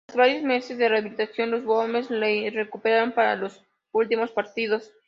Tras varios meses de rehabilitación, los Wolves le recuperaron para los últimos partidos.